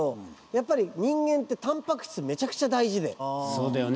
そうだよね。